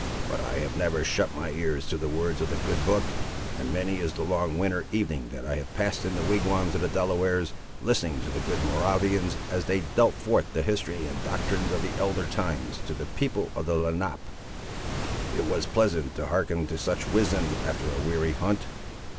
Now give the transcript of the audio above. But I have never shut my ears to the words of the good book, and many is the long winter evening that I have passed in the wigwams of the Delawares, listening to the good Moravians, as they dealt forth the history and doctrines of the elder times, to the people of the Lenape! It was pleasant to hearken to such wisdom after a weary hunt!